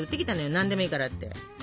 「何でもいいから」って。